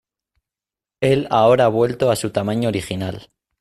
Él ahora ha vuelto a su tamaño original.